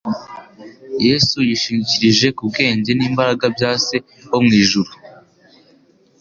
Yesu yishingikirije ku bwenge n'imbaraga bya Se wo mu ijuru